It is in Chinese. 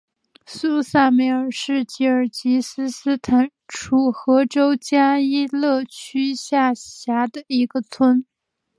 苏萨梅尔是吉尔吉斯斯坦楚河州加依勒区下辖的一个村。